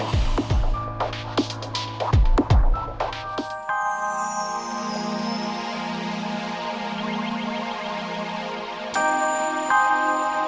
iya sih bakalan seru